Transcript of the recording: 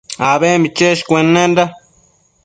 abembi cheshcuennenda